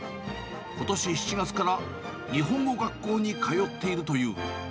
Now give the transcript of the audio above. ことし７月から日本語学校に通っているという。